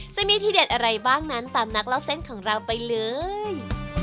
จะมีทีเด็ดอะไรบ้างนั้นตามนักเล่าเส้นของเราไปเลย